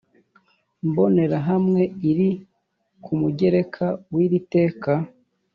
mbonerahamwe iri ku mugereka w iri teka